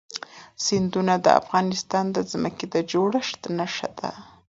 سیندونه د افغانستان د ځمکې د جوړښت نښه ده.